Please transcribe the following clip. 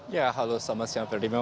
ya halo selamat siang ferdina